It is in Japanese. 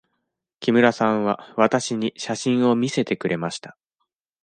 木村さんはわたしに写真を見せてくれました。